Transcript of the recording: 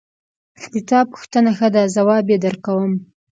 د تا پوښتنه ښه ده ځواب یې درکوم